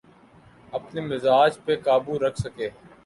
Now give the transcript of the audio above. اپنے مزاج پہ قابو رکھ سکے۔